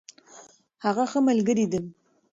هغه ښه ملګرې ده.